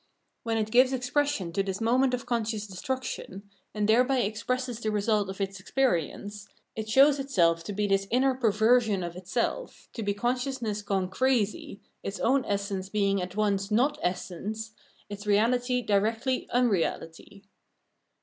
When it gives expression to this moment of conscious destruction, and thereby expresses the result of its ex perience, it shows itself to be this inner perversion of itself, to be consciousness gone crazy, its own essence being at once not essence, its reahty directly unreality.